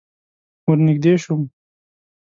ور نږدې شوم.